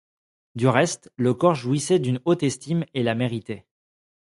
Du reste, le corps jouissait d’une haute estime, et la méritait.